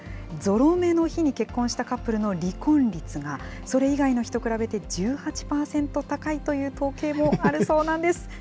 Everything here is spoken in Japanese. ぞろ目の日に結婚したカップルの離婚率が、それ以外の日と比べて１８％高いという統計もあるそうなんです。